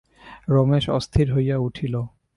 রমেশ অস্থির হইয়া উঠিল।